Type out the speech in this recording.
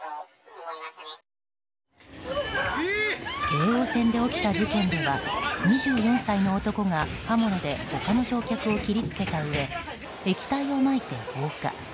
京王線で起きた事件では２４歳の男が刃物で他の乗客を切りつけたうえ液体をまいて放火。